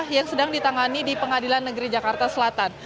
yang sedang ditangani di pengadilan negeri jakarta selatan